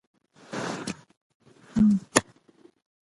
ابن خلدون رحمة الله علیه سیاست پر درو برخو ویشلی دئ.